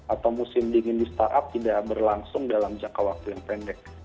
atau musim dingin di startup tidak berlangsung dalam jangka waktu yang pendek